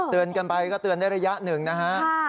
เตือนกันไปก็เตือนได้ระยะหนึ่งนะฮะค่ะ